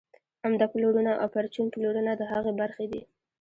عمده پلورنه او پرچون پلورنه د هغې برخې دي